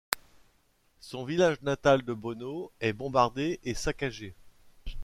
Son village natal de Bono est bombardé et saccagé.